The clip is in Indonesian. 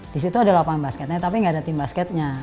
di situ ada lapangan basketnya tapi nggak ada tim basketnya